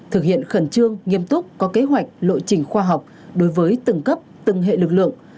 thực hiện khẩn trương nghiêm túc có kế hoạch lộ trình khoa học đối với từng cấp từng hệ lực lượng